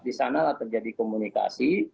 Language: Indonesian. di sanalah terjadi komunikasi